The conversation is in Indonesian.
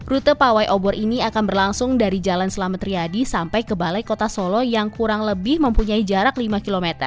rute pawai obor ini akan berlangsung dari jalan selamat riyadi sampai ke balai kota solo yang kurang lebih mempunyai jarak lima km